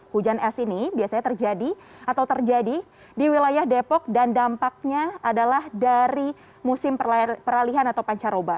hujan es ini biasanya terjadi atau terjadi di wilayah depok dan dampaknya adalah dari musim peralihan atau pancaroba